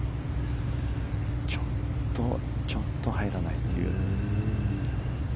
ちょっと入らないという。